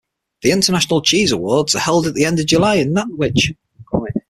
The International Cheese Awards are held at the end of July in Nantwich.